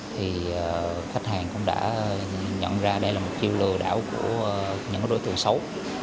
thì khách hàng cũng đã nhận ra đây là một chiêu lừa đảo của những đối tượng xấu